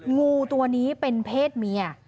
งูตัวนี้เป็นเพศเมีย